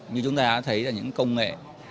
như chúng ta đã thấy là những công nghệ